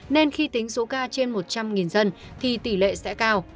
nên khi tính số ca trên một trăm linh dân thì tỷ lệ sẽ cao